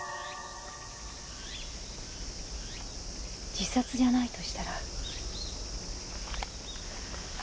自殺じゃないとしたら。